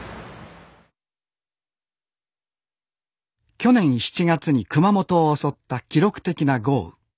去年７月に熊本を襲った記録的な豪雨。